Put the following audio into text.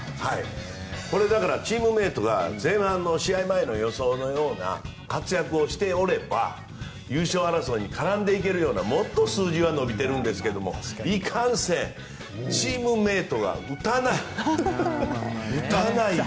だから、チームメートが前半の試合前の予想のような活躍をしておれば優勝争いに絡むようなもっと数字が伸びているんですがいかんせんチームメートが打たない。